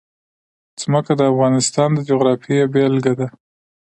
ځمکه د افغانستان د جغرافیې بېلګه ده.